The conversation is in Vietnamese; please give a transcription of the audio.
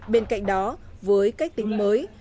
bên cạnh đó với cách tính mới